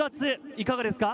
いかがですか？